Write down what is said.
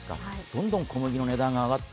どんどん小麦の値段が上がる。